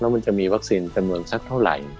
เรามันจะมีวัคซีนจะเหนื่อยสักเท่าไหร่